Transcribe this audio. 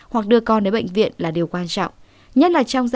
hoặc đưa con đến bệnh viện là điều quan trọng